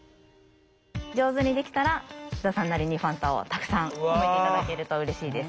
上手にできたら津田さんなりにファンタをたくさん褒めて頂けるとうれしいです。